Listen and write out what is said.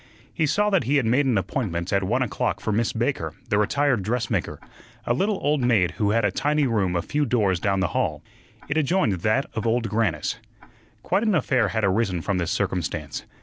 He saw that he had made an appointment at one o'clock for Miss Baker, the retired dressmaker, a little old maid who had a tiny room a few doors down the hall. It adjoined that of Old Grannis. Quite an affair had arisen from this circumstance.